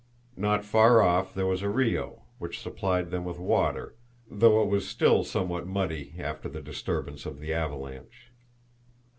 Not far off there was a RIO, which supplied them with water, though it was still somewhat muddy after the disturbance of the avalanche.